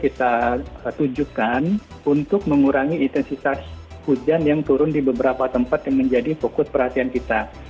kita tujukan untuk mengurangi intensitas hujan yang turun di beberapa tempat yang menjadi fokus perhatian kita